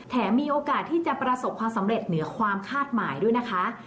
มีโอกาสที่จะประสบความสำเร็จเหนือความคาดหมายด้วยนะคะ